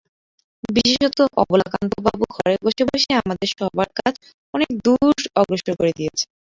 বিশেষত অবলাকান্তবাবু ঘরে বসে বসেই আমাদের সভার কাজ অনেক দূর অগ্রসর করে দিয়েছেন।